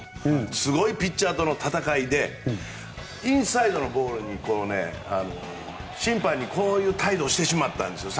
すごいピッチャーとの戦いでインサイドのボールに審判にこういう態度をしてしまったんですよ。